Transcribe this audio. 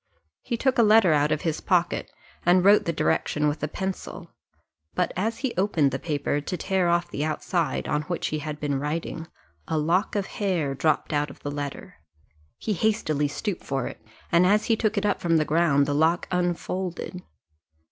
He took a letter out of his pocket, and wrote the direction with a pencil; but as he opened the paper, to tear off the outside, on which he had been writing, a lock of hair dropped out of the letter; he hastily stooped for it, and as he took it up from the ground the lock unfolded.